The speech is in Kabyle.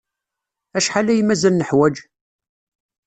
Acḥal ay mazal neḥwaj?